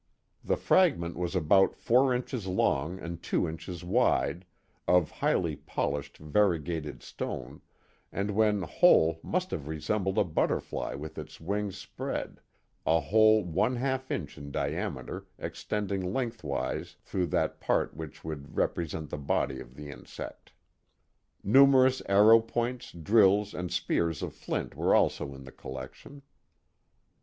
The fragment was about four inches long and two inches wide, of highly polished variegated stone, and when whole must have resembled a butterfly with its wings spread, a hole one half inch in diameter extending lengthwise through that part which would represent the body of the insect. Numerous arrow points, drills, and spears of flint were also in the collection.